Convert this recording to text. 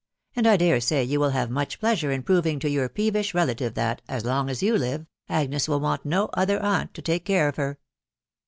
. and I dare say you will have much pleasure in proving to your peevish relative that, as long as you live, Agnes will want no other aunt to take care of her."